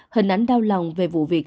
hình ảnh đau lòng về vụ việc